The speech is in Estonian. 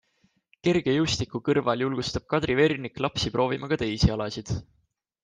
Kergejõustiku kõrval julgustab Kadri Vernik lapsi proovima ka teisi alasid.